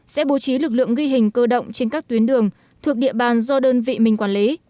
sẽ bố trí lực lượng ghi hình cơ động trên các tuyến đường thuộc địa bàn do đơn vị mình quản lý